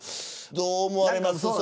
どう思われますか。